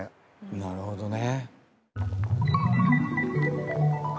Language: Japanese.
なるほどね。